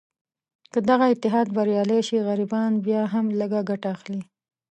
که دغه اتحاد بریالی شي، غریبان بیا هم لږه ګټه اخلي.